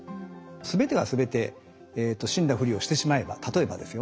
全てが全て死んだふりをしてしまえば例えばですよ